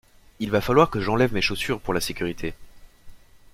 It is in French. Il va falloir que j'enlève mes chaussures pour la sécurité.